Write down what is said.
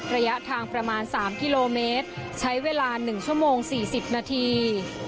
ระยะทางประมาณสามกิโลเมตรใช้เวลาหนึ่งชั่วโมงสี่สิบนาที